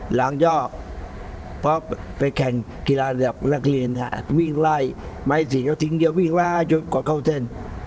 หลังย่อเพราะไปแข่งกีฬาแบบนักเรียนวิ่งไล่ไม้สีก็ทิ้งเดี๋ยววิ่งมายกก็เข้าเส้น